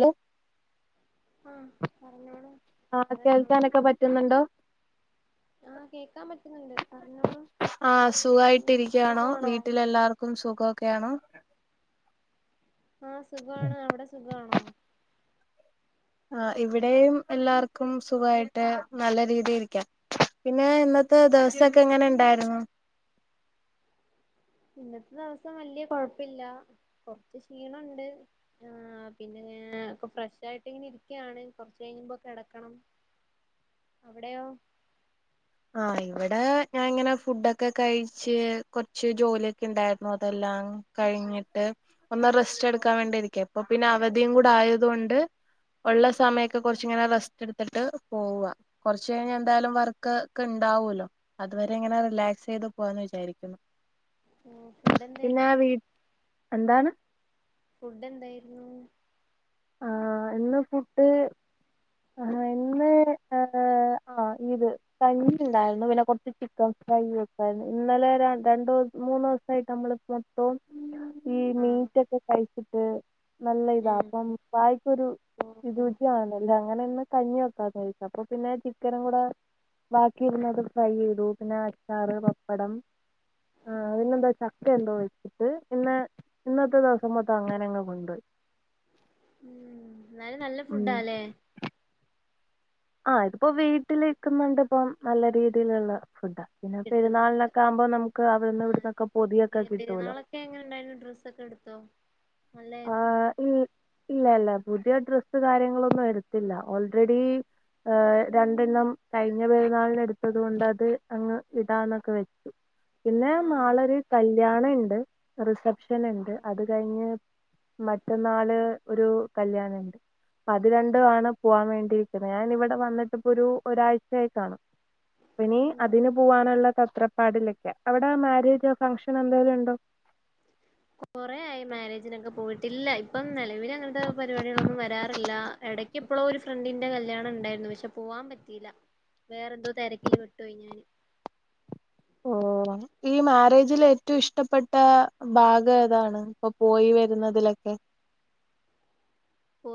Law ആഹ് പറഞ്ഞോളൂ ആ കൊറെ നാളായില്ലേ കേൾക്കാനൊക്കെ പറ്റുന്നുണ്ടോ ആഹ് കേക്കാൻ പറ്റുന്നുണ്ട് പറഞ്ഞോളൂ ആ സുഖായിട്ടിരിക്കയാണോ സുഖാണോ വീട്ടിലെല്ലാവർക്കും സുഖക്കൊയാണോ ആഹ് സുഖാണ് അവിടെ സുഖമാണോ ആ ഇവിടെയും എല്ലാർക്കും സുഖമായിട്ട് നല്ല രീതിയിരിക്കാം പിന്നെ ഇന്നത്തെ ദിവസക്കെ എങ്ങനെ ഇണ്ടായിരുന്നു ഇന്നത്തെ ദിവസം വലിയ കൊഴപ്പില്ല കുറച്ച് ക്ഷീണുണ്ട് ആർ പിന്നെ ഒക്ക ഫ്രഷ് ആയിട്ട് ഇങ്ങനെ ഇരിക്കയാണ് കൊറച്ച് കഴിയുമ്പോ കെടക്കണം അവിടെയോ ആ ഇവിടെ ഞാൻ ഇങ്ങനെ ഫുഡൊക്കെ കഴിച്ച് കൊറച്ച് ജോലിയൊക്കെ ഉണ്ടായിരുന്നു അതെല്ലാം കഴിഞ്ഞിട്ട് ഒന്ന് റെസ്റ്റ് എടുക്കാൻ വേണ്ടിയിരിക്കും അപ്പൊ പിന്നെ അവധിയും കൂടെ ആയതൊണ്ട് ഉള്ള സമയൊക്കെ കൊറച്ചിങ്ങനെ റെസ്റ്റ് എടുത്തിട്ട് പോവാ കുറച്ച് കഴിഞ്ഞ എന്തായാലും വർക്ക് ഒക്ക ഇണ്ടാവൂല്ലോ അതുവരെ എങ്ങനെ റിലാക്സ് ചെയ്ത് പോവാന്ന് വിചാരിക്കുന്നു ഉം ഫുഡ് പിന്നെ എന്തായിരുന്നു വീ ഫുഡ് എന്തായിരുന്നു? ആഹ് ഇന്ന് ഫുഡ് ആ ഇന്ന്. ആ ഇത് കഞ്ഞി ഇണ്ടായിരുന്നു പിന്നെ കൊറച്ച് ചിക്കൻ ഫ്രൈക്കായിരുന്നു ഇന്നലെ രണ്ടസം മൂന്ന് ദിവസായിട്ട് നമ്മൾ മൊത്തവും ഈ ആഹ് മീറ്റൊക്കെ കഴിച്ചിട്ട് നല്ല ഇതാ ഉം അപ്പം വായക്കൊരു ഓഹ് ഇത് ഓഹ് രുചിയാണില്ലേ കഞ്ഞി വെക്കാച്ച അപ്പൊ പിന്നെ ചിക്കനും കൂടെ ബാക്കി ഇരുന്നതും ഫ്രൈ ചെയ്തു പിന്നെ അച്ചാറ് പപ്പടം ഉം ആഹ് ഇട്ട് ഉം എന്നാലും നല്ല ഫുഡാല്ലേ ആഹ് ഇതിപ്പോ വീട്ടിലിക്കുന്നൊണ്ട് ഇപ്പം നല്ല രീതിയിലുള്ള ഫുഡാ പിന്നെ കിട്ടുന്നത് പെരുന്നാളിനൊക്കെ ആമ്പോ നമുക്ക് അവിടുന്നും ആഹ് ഇവിടന്നൊക്കെ പൊതിയൊക്കെ കിട്ടൂലോ പെരുന്നാളൊക്കെ എങ്ങനെ ഉണ്ടായിരുന്നു ഡ്രസ്സൊക്കെ എടുത്തോ നല്ലായിരുന്നു ഇല്ല പുതിയ ഡ്രസ്സ് കാര്യങ്ങളൊന്നും എടുത്തില്ല ഓൾറെഡി രണ്ടെണ്ണം കഴിഞ്ഞ പെരുന്നാളിന് എടുത്തത് കൊണ്ടത് അങ്ങ് ഇടാന്നൊക്കെ വെച്ചു പിന്നെ ആഹ് മാളര് കല് കല്യാണ ഉണ്ട് റിസപ് ക്ഷന്ണ്ട് അത് കഴിഞ്ഞ് മറ്റന്നാള് ഒരു കല്യാണുണ്ട് അത് രണ്ടും ആണ് പോവാൻ വേണ്ടിയിരിക്കുന്നത് ഞാൻ ഇവിടെ വന്നിട്ട് ഇപ്പോ ഒരു ഒരാഴ്ചയായി കാണും പിനി ഉം അതിന് പോവാനുള്ള ത- തത്രപ്പാടിലൊക്കെയ അവിടെ മാരേജോ ഫംഗഷൻ എന്തെിലും ഉണ്ടോ കൊറ ആയി മാരേജിനൊക്കെ പോയിട്ടില്ല ഇപ്പൊ നിലവിൽ അങ്ങനത്തെ പരിപാടികളൊന്നും വരാറില്ല എട [unintelligible] ഇപ്പോള ഒരു ഫ്രണ്ടിന്റെ കല്യാണം ഉണ്ടായിരുന്നു പക്ഷെ പോവാൻ പറ്റിയില്ല വേറെ എന്തോ തിരക്കില് പെട്ടുപോയി ഞാന് ഓ ഈ മാരേജില ഏറ്റവും ഇഷ്ടപ്പെട്ട ഭാഗം ഏതാണ് ഇപ്പൊ പോയി വരുന്നതിലൊക്കെ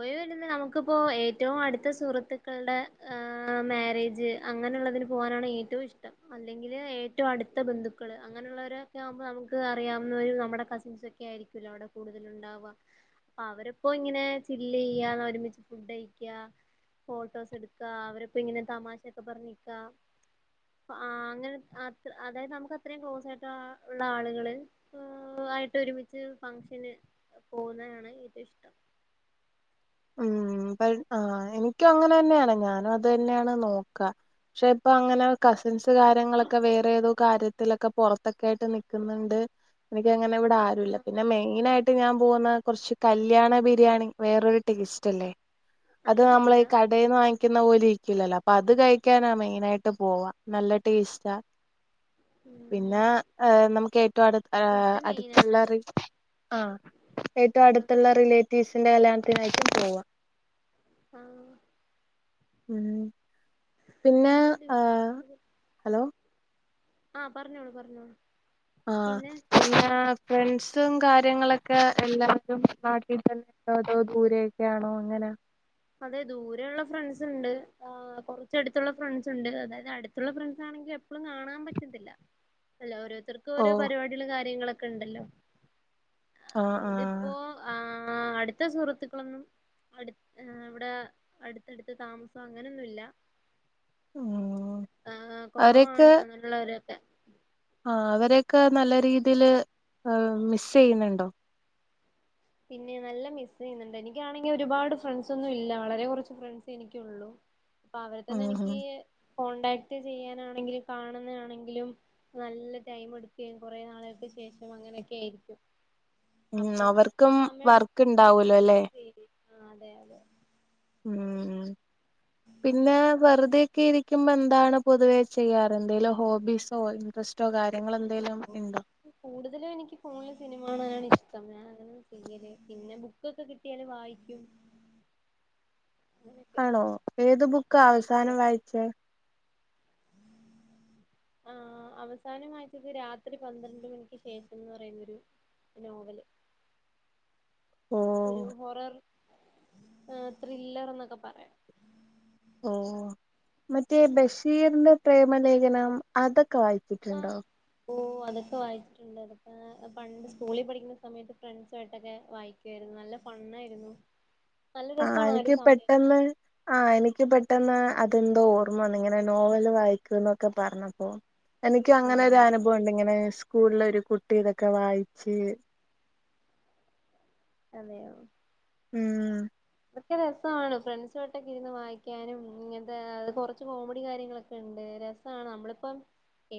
പോയിവരുന്ന നമുക്കിപ്പോ ഏറ്റവും അടുത്ത സുഹൃത്തുക്കളുടെ മാരേജ് അങ്ങനെുള്ളതിന് പോകാനാണ് ഏറ്റവും ഇഷ്ടം അല്ലെങ്കില് ഏറ്റവും അടുത്ത ബന്ധുക്കൾ അങ്ങനെയുള്ളവരൊക്കെ ആവുമ്പോൾ നമുക്ക് അറിയാവുന്ന നമ്മുടെ കസിൻസ് ഒക്കെ ആയിരിക്കല്ലോ അവിടെ കൂടുതൽണ്ടാവുക അപ്പൊ അവരിപ്പോ ഇങ്ങനെ ചില്ല് ചെയ്യ ഒരുമിച്ച് ഫുഡ് അഴിക്ക ഫോട്ടോസ് എടുക്ക അവരപ്പോ ഇങ്ങനെ തമാശൊക്കെ പറഞ്ഞിക്ക അങ്ങനെ അത്ര അതായത് നമുക്ക് അത്രയും ക്ലോസ് ആയിട്ട് ഉള്ള ആളുകൾ ആയിട്ട് ഒരുമിച്ച് ഫംഗഷന് പോകുന്നതാണ് ഏറ്റവും ഇഷ്ടം ഉം ആ എനിക്കും അങ്ങനെ തന്നെയാണ് ഞാനും അത് തന്നെയാണ് നോക്ക പക്ഷെ ഇപ്പൊ അങ്ങനെ കസിൻസ് കാര്യങ്ങളൊക്കെ ക്കെ വേറെ ഏതോ കാര്യത്തിലൊക്കെ പുറത്തൊക്കെ ആയിട്ട് നിക്കുന്നുണ്ട് എനിക്ക അങ്ങനെവിടെ ആരുല്ല പിന്നെ മെയിനായിട്ട് ട്ട് ഞാൻ പോകുന്ന കുറച്ച് കല്യാണ ബിരിയാണി വേറൊരു ടേസ്റ്റല്ലേ അത് നമ്മളെ കടേന്ന് വാങ്ങി ക്കുന്ന പോലെ ഇരിക്കൂലലല്ലോ അപ്പൊ അത് കഴിക്കാനാ മെയിനായിട്ട് പോവാ നല്ല ടേസ്റ്റ ഉം പിന്നെ ഏ നമുക്കേ റ്റവും അടു ഫുഡ് മെയിൻ ആണല്ലോ അടുത്തുള്ളോര് ആ ഏറ്റവും അതെ അടുത്തുള്ള റിലേറ്റീവ്സിന്റെ കല്യാണ ആയിട്ടും പോവാ ആ ആ പിന്നെ നല്ല ആ അടിപൊളി ഹലോ ആ പറഞ്ഞോളൂ പറഞ്ഞോളൂ ആ പിന്നെ ഫ്രണ്ട്സും കാര്യങ്ങളൊക്കെ എല്ലാവരും നാട്ടിൽ തന്നെയാണോ അതോ ദൂരെയൊക്കെയാണോ എങ്ങനാ അതെ ദൂര ഉള്ള ഫ്രണ്ട്സ് ഉണ്ട് ആ കുറച്ചടുത്തുള്ള ഫ്രണ്ട്സ് ഉണ്ട് അതായത് അടുത്തുള്ള ഫ്രണ്ട്സ് ആണെങ്കിൽ എപ്പോഴും കാണാൻ പറ്റത്തില്ല അല്ല ഓരോ രുത്തർക്ക് ഓ ഓരോ പരിപാടിയുള്ള കാര്യങ്ങള് ക്ക്ണ്ടല്ലോ ആ ആ അതുകൊണ്ട് ഇപ്പോ ആ ആ അടുത്ത സുഹൃത്തുക്കളൊന്നും അടു ഏ ഇവിടെ അടുത്തടുത്ത താമസം അങ്ങനെൊന്നുംല്ല ഉം ആ അവരൊക്കെ കുറവാണ് അങ്ങനുള്ളവര് ആ അവരൊക്കെ നല്ല രീതീല് മിസ് ചെയ്യുന്നുണ്ടോ പിന്നെ നല്ല മിസ്സ് ചെയ്യുന്നുണ്ട് എനിക്കാണെങ്കി ഒരുപാട് ഫ്രണ്ട്സ് ഒന്നും ഇല്ല വളരെ കുറച്ച് ഫ്രണ്ട്സ് എനിക്കുള്ളു അപ്പൊ അവര് ഉം തന്നെ ഉം എനിക്ക് കോൺടാക്ട് ചെയ്യാനാണെങ്കിലും കാണുന്നെയാണെങ്കിലും നല്ല ടൈം എടുക്കുകയും കുറെേ നാളുകൾക്ക് ശേഷം അങ്ങനെയൊക്കെ ആയിരിക്കും. ഉം അപ്പൊ അവർക്കും സമയം എടുക്കും വർക്ക് ഉണ്ടാവൂലോ അല്ലേ? ആ അതെ അതെ ഉം ഉം പിന്നെ വെറുതെ ക്കെ ഇരിക്കുമ്പോ എന്താണ് പൊതുവേ ചെയ്യാറ്? എന്തേലും ഹോബീസോ ഇൻട്രസ്റ്റോ കാര്യ കൂടുതലും എനിക്ക് ഫോണില് സിനിമ കാണാനാണ് ഇഷ്ടം ഞാൻ ചെയ്യല് പിന്നെ ബുക്കൊക്കെ കിട്ടിയാല് വായിക്കും. അങ്ങനൊക്കെ ആണോ ഏത് ബുക്കാ അവസാനം അതെ വായിച്ചേ? ആ അവസാനം വായിച്ചത് രാത്രി പന്ത്രണ്ട് മണിക്ക് ശേഷംന്ന് പറയുന്നൊരു നോവല്. ഓ ഒരു ഹൊറർ ആ ത്രില്ലർ എന്നൊക്കെ പറയാം. ഓ മറ്റേ ബഷീറിന്റെ പ്രേമലേഖനം അതൊ ക്കെ ആഹ് വായിച്ചിട്ടുണ്ടോ? ഓ അതൊക്കെ വായിച്ചിട്ടുണ്ട്. പ പണ്ട് സ്കൂളിൽ പഠിക്കുന്ന സമയത്തൊക്കെ ഫ്രണ്ട്സായിട്ടൊക്കെ വായിക്കുവാരുന്നു നല്ല ഫണ്ണായിരുന്നു. നല്ല ആ രസമാണ് ഒരു എനിക്ക് സമയം പെട്ടെന്ന് ആ എനിക്ക് പെ ട്ടെന്നാ അതെന്തോ ഓർമ്മവന്ന് ഇങ്ങനെ നോവല് വായിക്കുന്നൊക്കെ പറഞ്ഞപ്പോ. എനിക്ക് അങ്ങനെ ഒരു ആഹ് അനുഭവം ഉണ്ട് ഇങ്ങനെ സ് കൂളിലൊരു കുട്ടി ഇതൊക്കെ വായിച്ച് അതേയോ ഉം തൊക്കെ രസാണ് ഫ്രണ്ട്സായിട്ടൊക്കെ ഇരുന്ന് വായിക്കാനും ഇങ്ങനത്തെ കൊറച്ച് കോമഡി കാര്യങ്ങളൊക്കെണ്ട് രസാണ് നമ്മളിപ്പം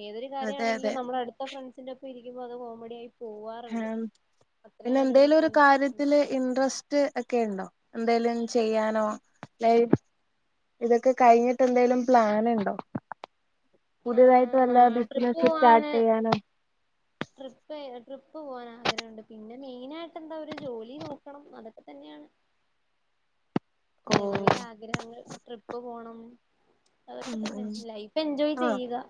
ഏതൊരു അതെ അതെ കാര്യമാണെങ്കിലും നമ്മുടെ അടുത്ത ഫ്രണ്ട് ഫ്രണ്ട്സിന്റൊപ്പം ഇരിക്കുമ്പം അത് കോമഡി ആയി ഹ പോവാറുണ്ട് പിന്നെ അത്രയും അടിപൊളി എന്തെലും ഒരു ഫ്രണ്ട്സ് ഒക്കെ ഉണ്ട് കാര്യത്തില് ഇൻട്രസ്റ്റ് ക്കെ ഉണ്ടോ എന്തെലും ചെയ്യാനോ ലൈ ഇതൊക്കെ കഴിഞ്ഞിട്ട് എന്തെലും പ്ലാൻ ഇണ്ടോ? പുതിയതായിട്ട് വല്ല ആഹ് ട്രിപ്പ് ബിസിനസ്സ് പോവാൻ സ്റ്റാർട്ട് ചെയ്യാനോ ട്രിപ്പ് ട്രിപ്പ് പോവാൻ ആഗ്രഹണ്ട് പിന്നെ മെയിൻ ആയിട്ട് എന്താ ഒരു ജോലി നോക്കണം അതൊക്കെ തന്നെയാണ്. ഓ നിലവിലെ ആഗ്രഹങ്ങൾ. ട്രിപ്പ് പോണം. അതൊക്കെ ഉം തന്നെ ഉം ലൈഫ് എൻജോയ് ആഹ് ചെയ്യുക.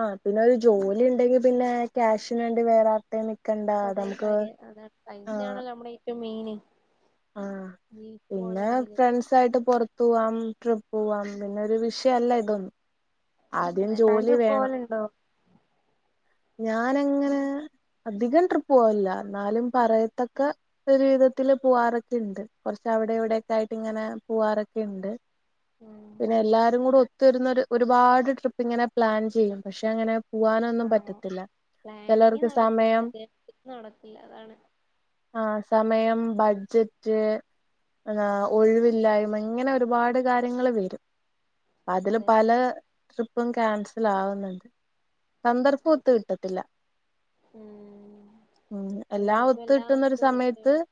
ആഹ് പിന്നെ ഒരു ജോലി ഉണ്ടെങ്കിൽ പിന്നെ ക്യാഷിന് വേണ്ടി വേറെ നിക്കണ്ട അത് അതെ നമുക്ക് സയൻ അതാണ് പൈസയാണല്ലോ നമ്മുടെ ഏറ്റവും മീന് ആ പിന്നെ ഫ്രണ്ട്സായിട്ട് പൊറ്ത്ത് പോവാം ട്രിപ്പ് പോവാം പിന്നെ ഒരു വിഷയല്ല ഇതൊന്ന് അതെ താൻ ട്രിപ്പ്‌ പോവല്ണ്ടോ ഞാനങ്ങനെ അധികം ട്രിപ്പ് പോവലില്ല എന്നാലും പറയത്തക്ക ഒരു വിധത്തില് പോവാറൊക്കെണ്ട് കൊർച്ച് അവിടെ ഇവടൊക്കെ ആയിട്ട് ഇങ്ങനെ പോവാറൊക്കെണ്ട് ഉം പിന്നെ എല്ലാരും കൂടെ ഒ ത്തിരുന്നൊരു ഒരുപാട് ട്രിപ്പ് ഇങ്ങനെ പ്ലാൻ ചെയ്യും പക്ഷെ അങ്ങനെ പൂവാനൊന്നും ആഹ് പറ്റത്തി പ്ലാനിങ് നടക്കും പക്ഷെ [unintelligible] അതാണ് ഉം ബഡ്ജറ്റ് ആ അതെ ഒഴിവ്ല്ലായ്മ ഇങ്ങനെ പാട് കാര്യങ്ങള് വരും അതില് അതെ പല ട്രിപ്പും ക്യാൻസലാവ്ന്ന്ണ്ട് സന്ദർഭം ഒ അതെ ഒത്ത് കിട്ടത്തില്ല ഉം ഉം എല്ലാം എല്ലാർക്കും ഒത്ത് കിട്ടുന്ന ഒരു എല്ലാവർക്കും സമയത്ത് കിട്ട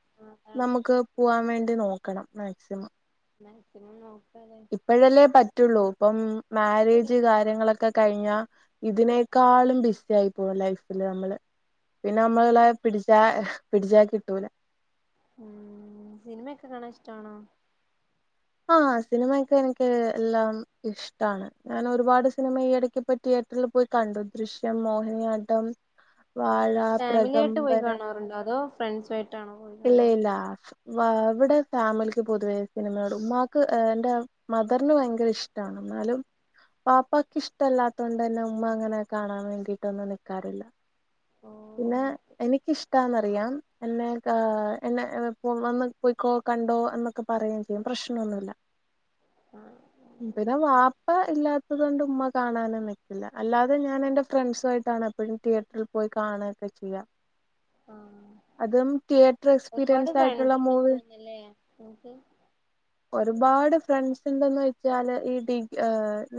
അതാണ് നമക്ക് പോവാൻ വേണ്ടി നോക്കണം മാക്സിമം മാക്സിമം നോക് ഇപ്പഴല്ലേ പ പറ്റുള്ളൂ ഇപ്പം മാരേജ് ശരി കാര്യങ്ങളൊക്കെ കഴിഞ്ഞാ ഇതിനേക്കാളും ബിസി ആയി പോവും ലൈഫില് നമ്മള് പിന്നെ നമ്മളെ പിടിച്ച പിടിച്ചാ കിട്ടൂല ഉം സിനിമെക്കെ കാണാൻ ഇഷ്ടമാണോ ആ സിനിമയൊക്കെ എനിക്ക് എല്ലാം ഇഷ്ടമാണ് ഞാൻ ഒരുപാട് സിനിമ ഈയിടക്ക് ഇപ്പോ തിയേറ്ററിൽ പോയി കണ്ടു ദൃശ്യം മോഹിനിയാട്ടം വാഴ ഫാമിലി ആയിട്ട് പോയി പ്രകമ്പന കാണാറുണ്ടോ അതോ ഫ്രണ്ട്സായിട് ട്ടാണോ പോയി ഇല്ല കാണല് ഇല്ല ഇവിടെ ഫാമിലിക്ക് പൊതുവേ സിനിമയോട് ഉമ്മാക്ക് എന്റെ മദറിന് ഭയങ്കര ഇഷ്ടമാണ് എന്നാലും വാപ്പാക്ക് ഇഷ്ടല്ലാത്ത കൊണ്ടന്നെ ഉമ്മ അങ്ങനെ കാണാൻ വേണ്ടിട്ടൊന്നും നിൽക്കാറില്ല. ഓ പിന്നെ ഓക്കെ എനിക്കിഷ്ടാ ട്ടാന്നറിയാം എന്നെ ഹ് എന്നെ വന്ന് പോയ്ക്കോ കണ്ടോ എന്നൊക്കെ പറയുകയും ചെയ്യും പ്രശ്നൊന്നുവില്ല ആ പിന്നെ വാപ്പ ഇല്ലാത് കൊണ്ട് ഉമ്മ കാണാനും നിൽക്കില്ല അല്ലാതെ ഞാൻ എൻ്റെ ഫ്രണ്ട്സും ആയിട്ടാണ് എപ്പോഴും തിയേറ്ററിൽ പോയി കാണുകയൊക്കെ ചെയ്യാ ആഹ് അതും ടിയേറ്റർ ഒരുപാട് എക്സ്പീരിയൻസ് ആയിട്ടുള്ള ഫ്രണ്ട്സ് ഉണ്ടെന്ന് മൂവി തോന്നുന്നല്ലേ നിങ്ങക്ക് ഒരുപാട് ഫ്രണ്ട്‌സ് എന്തന്ന് വെച്ചാല് ഈ ഡിഗ് ഏ്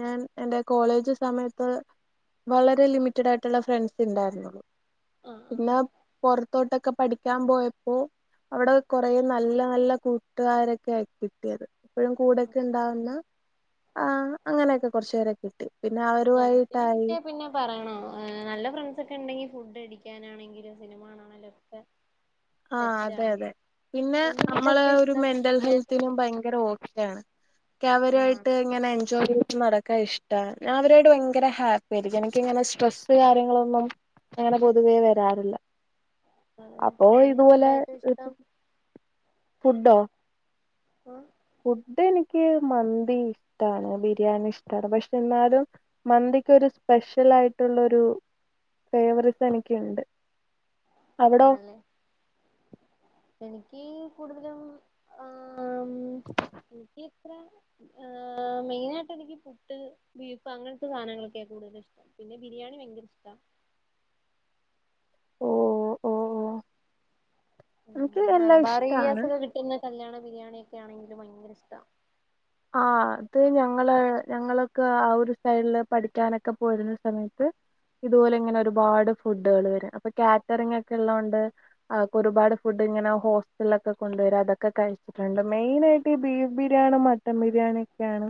ഞാൻ എന്റെ കോളേജ് സമയത്ത് വളരെ ലിമിറ്റഡ് ആയിട്ടുള്ള ഫ്രണ്ട്സ് ഉണ്ടായിരുന്നുള്ളു ആഹ് ആഹ് പിന്നെ ആഹ് പൊറത്തോട്ടൊ- ഒക്കെപഠിക്ക് ക്കാൻ പോയപ്പോ അവിടെ കൊറേ നല്ല നല്ല കൂട്ടുകാരൊക്കെ കിട്ടിയത് എപ്പഴും കൂടെക്കെ ഇണ്ടാവുന്ന ആഹ് അങ്ങനെയൊക്കെ കൊറച്ചേരെ കിട്ടി പിന്നെ ഫ്രണ്ട്സിനെ അവരുമായിട്ടായി കിട്ട്യാ പിന്നെ പറയണോ നല്ല ഫ്രണ്ട്സ് ഒക്കെ ഇണ്ടെങ്കിൽ ഫുഡ് അടിക്കാനാണെങ്കിലും സിനിമാണ ണെങ്കിലും ഒക്കെ ആഹ് അതെ സെറ്റാണ് അതെ പിന്നെ എന്ത് ഫുഡാ നമ്മള് ഏറ്റവും ഒരു ഇഷ്ടം മെന്റൽ ഹെൽത്തിനും ബിരിയാണിയാണോ ഭയങ്കര ഓക്കെ ആണ് ആഹ് ക്കഅവരുആയിട്ട് ഇങ്ങനെ എൻജോയ് ചെയ് ത്‌ നടക്കാൻ ഇഷ്ടാ ഞാൻ അവരോട് ഭയങ്കര ഹാപ്പി ആയിരിക്കും എനക്ക്ങ്ങനെ സ്ട്രെസ്സ് കാര്യങ്ങളൊന്നും അങ്ങനെ പൊതുവേ വരാറില്ല ആഹ് അപ്പോ എന്ത് ഫുഡായേറ്റോം ഇഷ്ടം ഫുഡ്ഡോ ഉം ഫുഡെനിക്ക് മന്തി ഇഷ്ടാണ് ബിരിയാണി ഇഷ്ടാണ് പക്ഷെ എന്നാലും മന്തിക്കൊരു സ്പെഷ്യൽ ആയിട്ടുള്ള ഒരു ഫേവറിസം എനിക്കിണ്ട് ആണല്ലേ നിക്ക് കൂടുതലും ഏ് ആഹ് ഇനിക്ക്- ആ മെയിനായിട്ടെനിക്ക് പുട്ട് ബീഫ് അങ്ങനത്തെ സാധനങ്ങളൊക്കെയാ കൂടുതലും ഇഷ്ടം. പിന്നെ ബിരിയാണി ഭയങ്കരിഷ്ടാ. ഓഹ് ഓഹ് ഇൻക്ക് ഉം എല്ലാം മലബാർ ഏരിയാസ് ഇഷ്ടാണ് ഒക്കെ കിട്ടുന്ന കല്യാണ ബിരിയാണിയൊക്കെ ആണെങ്കിലു ഭയങ്കരിഷ്ടാ. ആഹ് അത് ഞങ്ങള് ഞങ്ങളൊക്കെ ആ ഒരു സൈഡില് പഠിക്കാനൊക്കെ പോയിരുന്ന സമയത്ത് ഇതുപോലിങ്ങനെ ഒരുപാട് ഫുഡുകള് വരും. അപ്പൊ കാറ്ററിംഗ് ഒക്കെ ഉള്ളതോണ്ട് ഒരുപാട് ഫുഡ് ഇങ്ങനെ ഹോസ്റ്റലിലൊക്കെ കൊണ്ടുവരും അതൊക്കെ കഴിച്ചിട്ടുണ്ട്. മെയിനായിട്ട് ഈ ബീഫ് ബിരിയാണിമ് ട്ടൻ ബിരിയാണിയൊക്കെയാണ്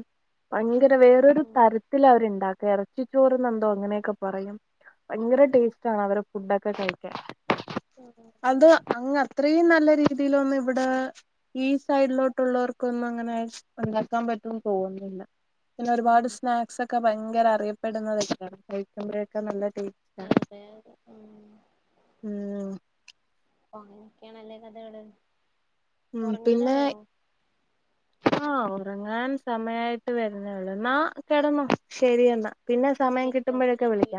അ തിര വേറൊരു ഉം തരത്തിലവരുണ് ണ്ടാക്ക ഇറച്ചിച്ചോറന്നന്തോ അങ്ങനെയൊക്കെ പറയും. ഭയങ്കര ടേസ്റ്റ് ആണ് അവർടെ ഫുഡൊക്കെ കഴിക്കാൻ. അത് അങ്ങത്രേ ന ല്ല രീതിയിലൊന്നും ഇവിടെ ഈ സൈഡിലോട്ടൊള്ളവർക്കൊന്നും അങ്ങനെ ഉണ്ടാക്കാൻ പറ്റുംന്ന് തോന്നുന്നില്ല പിന്നെ ഒരുപാട് ഉം സ്നാക്സ് ഒക്കെ ഭയങ്കര അറിയപ്പെടുന്നതൊക്കെയാണ് കഴിക്കുമ്പോഴൊക്കെ നല്ല ടേസ്റ്റ് ആണ് അതെയതെ ഉം- ഉം- പ്പം അങ്ങനെക്കെയാണല്ലേ കഥകള്? ഉം പിന്നേ ഉറങ്ങാനായോ ആ ഒറങ്ങാൻ സമയായിട്ട് വരുന്നേള്ളൂ എന്നാ കെടന്നോ ശരിയെന്നാ. കൊഴപ്പില്ല ചോദി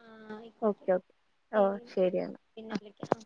ആ ആയിക്കോട്ടെ ഓക്കെ ഓക്കെ ഓ ശരി, എന്നാ എന്നാ പിന്നെ വിളിക്കാം.